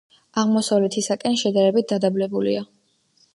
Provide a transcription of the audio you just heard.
აღმოსავლეთისაკენ შედარებით დადაბლებულია.